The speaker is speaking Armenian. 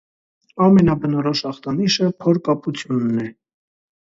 Ամենաբնորոշ ախտանիշը՝ փորկապությունն է։